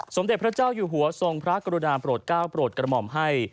สมเด็จพระเจ้าอยู่หัวทรงพระกรุณาโปรดก้าวโปรดกระหม่อมให้